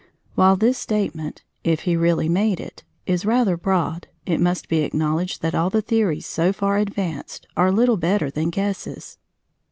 While this statement if he really made it is rather broad, it must be acknowledged that all the theories so far advanced are little better than guesses.